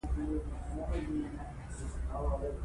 د بولان پټي د افغانستان د اقتصادي منابعو ارزښت زیاتوي.